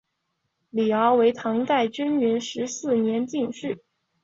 李翱为唐代贞元十四年进士。